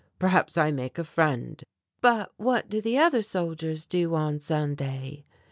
Perhaps I make a friend." "But what do the other soldiers do on Sunday?"